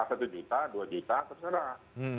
satu juta dua juta terserah